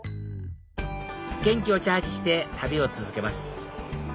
元気をチャージして旅を続けます